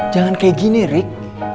jangan kayak gini rik